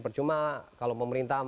percuma kalau pemerintah